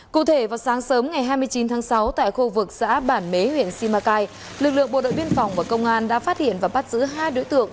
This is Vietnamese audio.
cụ thể vào sáng sớm ngày hai mươi chín tháng sáu tại khu vực xã bản mế huyện simacai lực lượng bộ đội biên phòng và công an đã phát hiện và bắt giữ hai đối tượng